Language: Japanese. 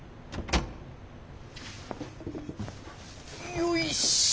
よいしょ。